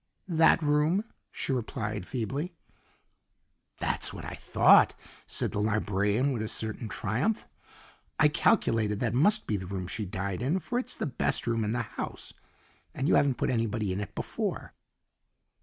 "That room," she replied feebly. "That's what I thought," said the librarian with a certain triumph. "I calculated that must be the room she died in, for it's the best room in the house, and you haven't put anybody in it before.